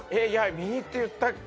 「右って言ったっけ？」